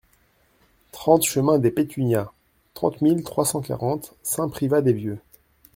trente chemin des Pétunias, trente mille trois cent quarante Saint-Privat-des-Vieux